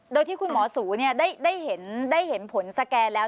โดยที่คุณหมอสุตินารีเวทย์ได้เห็นผลสแกนแล้ว